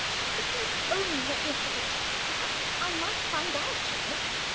If you would only let me have it, perhaps I might find out, you know."